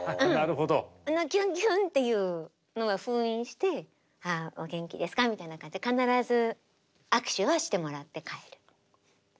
キュンキュンっていうのは封印して「お元気ですか？」みたいな感じで必ず握手はしてもらって帰る。